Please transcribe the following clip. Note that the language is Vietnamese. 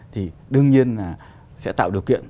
thì đương nhiên là sẽ tạo điều kiện